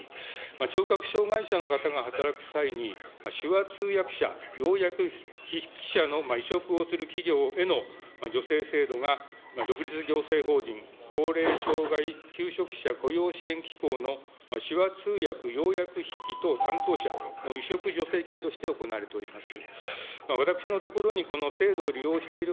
聴覚障害者の方が働く際に、手話通訳者・要約筆記者の育成を委嘱をする企業への助成制度が独立行政法人機構の手話通訳・要約筆記等担当者の委嘱助成金として行われております。